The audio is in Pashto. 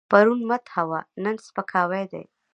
پرون مدح وه، نن سپکاوی دی.